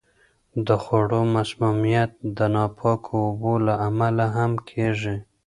د خوړو مسمومیت د ناپاکو اوبو له امله هم کیږي.